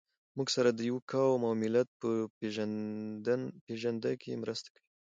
موږ سره د يوه قوم او ملت په پېژنده کې مرسته کوي.